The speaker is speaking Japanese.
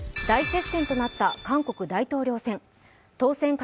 大接戦となった韓国大統領選。